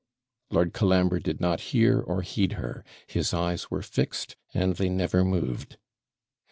Lord Colambre did not hear or heed her; his eyes were fixed, and they never moved.